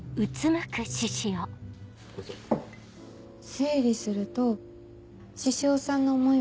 整理すると獅子王さんの思い